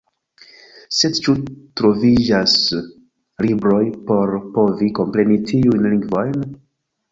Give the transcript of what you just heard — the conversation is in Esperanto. Sed ĉu troviĝas libroj por povi kompreni tiujn lingvojn?